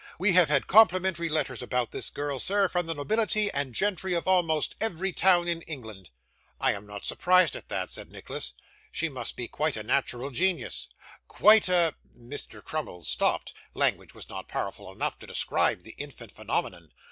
We have had complimentary letters about this girl, sir, from the nobility and gentry of almost every town in England.' 'I am not surprised at that,' said Nicholas; 'she must be quite a natural genius.' 'Quite a !' Mr. Crummles stopped: language was not powerful enough to describe the infant phenomenon.